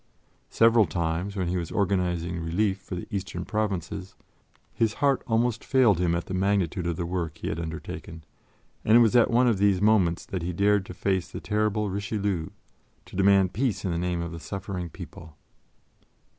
Several times, while he was organizing relief for the eastern provinces, his heart almost failed him at the magnitude of the work he had undertaken, and it was at one of these moments that he dared to face the terrible Richelieu, to demand peace in the name of the suffering people.